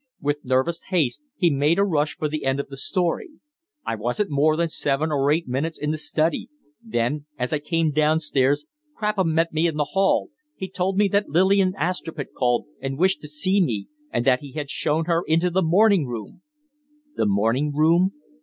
With nervous haste he made a rush for the end of his story. "I wasn't more than seven or eight minutes in the study; then, as I came down stairs, Crapham met me in the hall. He told me that Lillian Astrupp had called and wished to see me. And that he had shown her into the morning room " "The morning room?"